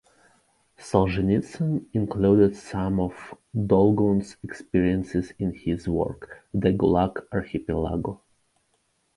Solzhenitsyn included some of Dolgun's experiences in his work "The Gulag Archipelago".